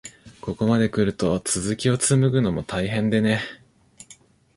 ここまでくると、続きをつむぐのも大変でね。